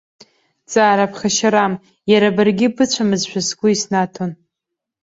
Ҵаара ԥхашьарам, иара баргьы быцәамызшәа сгәы иснаҭон.